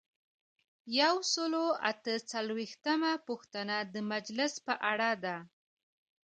یو سل او اته څلویښتمه پوښتنه د مجلس په اړه ده.